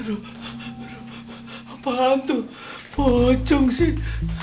aduh apaan tuh pocong sih